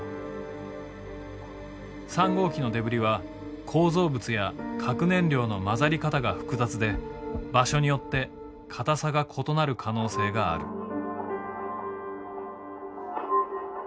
３号機のデブリは構造物や核燃料の混ざり方が複雑で場所によって硬さが異なる可能性がある。